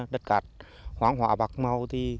đất cát hoang hóa bạc màu